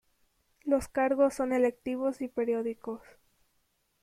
Los cargos son electivos y periódicos.